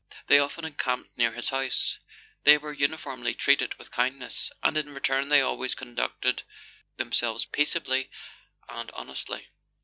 They often encamped near his house; they were uniformly treated with kindness, and in return they always conducted themselves peaceably and honestly.